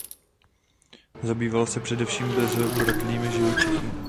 Zabýval se především bezobratlými živočichy.